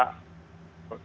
mereka menyelepon saya